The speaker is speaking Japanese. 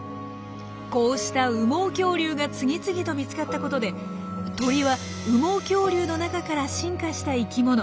こうした羽毛恐竜が次々と見つかったことで鳥は羽毛恐竜の中から進化した生きもの。